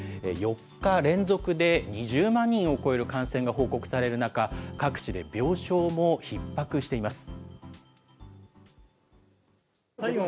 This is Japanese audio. ４日連続で２０万人を超える感染が報告される中、各地で病床もひっ迫しています。